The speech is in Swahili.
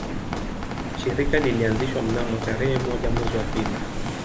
Shirika lilianzishwa mnamo tarehe moja mwezi wa pili